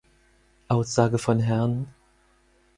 Aussage von Hrn.